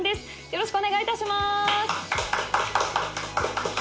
よろしくお願いします。